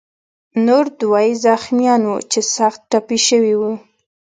نور دوه یې زخمیان وو چې سخت ټپي شوي وو.